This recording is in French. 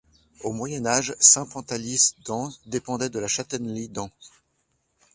Au Moyen Âge, Saint-Pantaly-d'Ans dépendait de la châtellenie d'Ans.